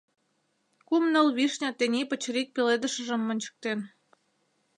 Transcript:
Кум-ныл вишня тений пычырик пеледышыжым ончыктен.